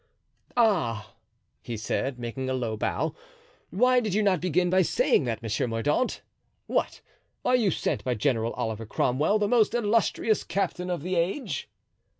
"Ah!" he said, making a low bow, "why did you not begin by saying that, Monsieur Mordaunt? What! are you sent by General Oliver Cromwell, the most illustrious captain of the age?"